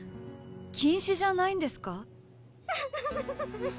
近視じゃないんですか？